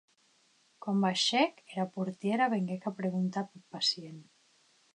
Quan baishèc, era portièra venguec a preguntar peth pacient.